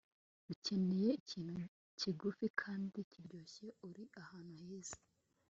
ukeneye ikintu kigufi kandi kiryoshye. uri ahantu heza